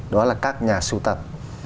đó là các nhà sưu tập